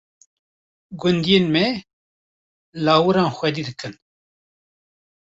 Gundiyên me, lawiran xwedî dikin.